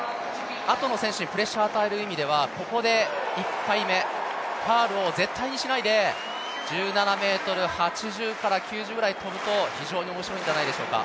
あとの選手にプレッシャーを与える意味ではここで１回目、ファウルを絶対にしないで１７ｍ８０から９０ぐらい跳ぶと非常に面白いんじゃないでしょうか。